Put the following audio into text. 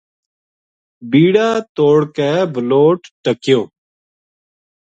بیڑا توڑ کے بَلوٹ ٹَکیو